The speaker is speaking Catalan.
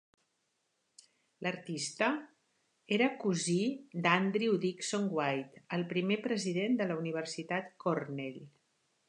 L'artista era cosí d'Andrew Dickson White, el primer president de la Universitat Cornell.